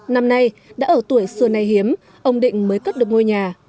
năm nay đã ở tuổi xưa nay hiếm ông định mới cất được ngôi nhà